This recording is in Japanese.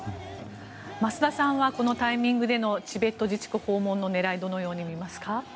増田さんはこのタイミングでのチベット自治区訪問の狙いをどのように見ますか？